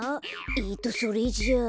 えっとそれじゃあ。